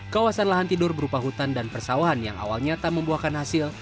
kawasan lahan tidur berupa hutan dan persawahan yang awalnya tak membuahkan hasil